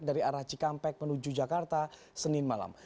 dari arah cikampek menuju jakarta senin malam